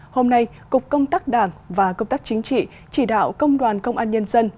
hôm nay cục công tác đảng và công tác chính trị chỉ đạo công đoàn công an nhân dân